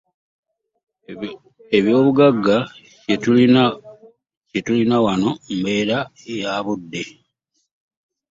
Ekyobugagga kye tulina wano mbeera ya budde.